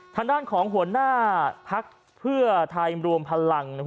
ทางด้านของหัวหน้าพักเพื่อไทยรวมพลัง